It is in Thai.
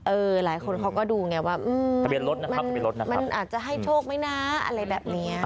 เออหลายคนเขาก็ดูไงว่ามันอาจจะให้โชคไหมนะอะไรแบบเนี้ย